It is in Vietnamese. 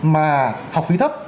mà học phí thấp